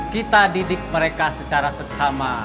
kita didik mereka secara seksama